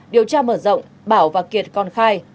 điều tra mở rộng bảo và kiệt còn khai